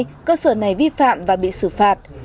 lần thứ hai cơ sở này vi phạm và bị xử phạt